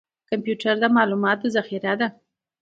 کمپیوټر د معلوماتو ذخیره ده